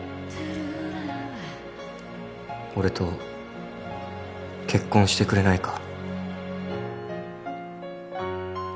俺と結婚してくれないか？